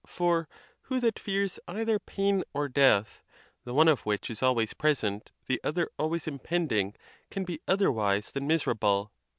For who that fears either pain or death, the one of which is always present, the other always impending, can be otherwise than miserable?